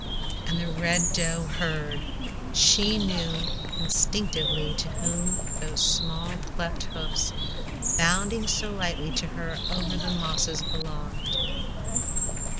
And the Red Doe heard; she knew instinctively to whom those small, cleft hoofs, bounding so lightly to her over the mosses, belonged.